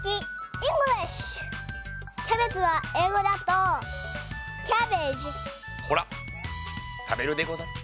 キャベツはえいごだとほらたべるでござる。